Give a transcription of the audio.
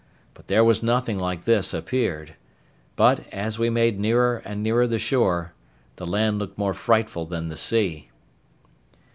But there was nothing like this appeared; but as we made nearer and nearer the shore, the land looked more frightful than the sea.